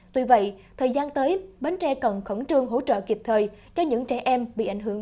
tuy vậy thời gian tới bến tre cần khẩn trương hỗ trợ kịp thời cho những trẻ em bị ảnh hưởng